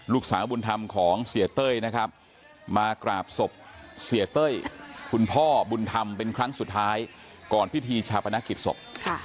ลูกสาวบุญธรรมของเสียเต้ยนะครับมากราบศพเสียเต้ยคุณพ่อบุญธรรมเป็นครั้งสุดท้ายก่อนพิธีชาปนกิจศพ